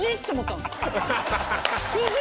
羊？